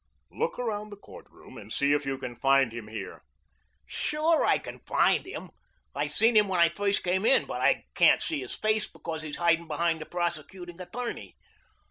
"Look around the court room and see if you can find him here." "Sure I can find him. I seen him when I first came in, but I can't see his face because he's hiding behind the prosecuting attorney."